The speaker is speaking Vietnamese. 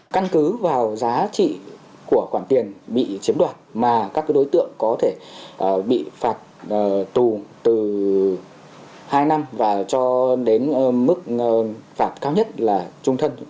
căn cứ vào giá trị của khoản tiền bị chiếm đoạt mà các đối tượng có thể bị phạt tù từ hai năm và cho đến mức phạt cao nhất là trung thân